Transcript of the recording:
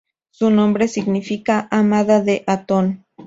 Su nombre significa "amada de Atón".